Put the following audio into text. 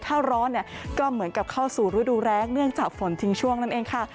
ถ้าร้อนเนี่ยก็เหมือนกับเข้าสู่ฤดูแรงเนื่องจากฝนทิ้งช่วงนั่นเองค่ะ